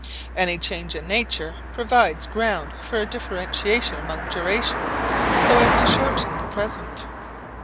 Any change in nature provides ground for a differentiation among durations so as to shorten the present.